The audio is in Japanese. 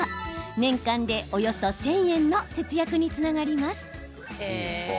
年間でおよそ１０００円の節約につながります。